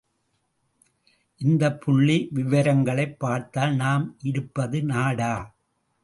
இந்தப் புள்ளி விவரங்களைப் பார்த்தால் நாம் இருப்பது நாடா?